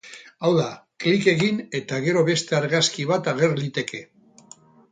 Hau da, klik egin eta gero beste argazki bat ager liteke.